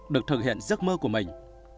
được thực hiện giấc mơ của mình